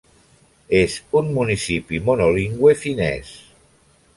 És un municipi monolingüe finès.